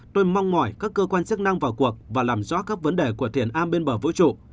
tôi mong mỏi các cơ quan chức năng vào cuộc và làm rõ các vấn đề của thiền an bên bờ vũ trụ